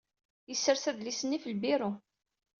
Yessers adlis-nni ɣef lbiru.